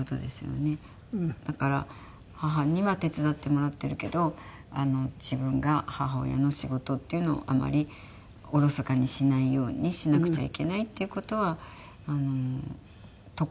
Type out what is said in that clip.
だから母には手伝ってもらっているけど自分が母親の仕事っていうのをあまりおろそかにしないようにしなくちゃいけないっていう事はとことん教育させられました。